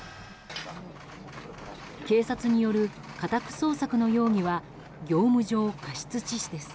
警察による家宅捜索の容疑は業務上過失致死です。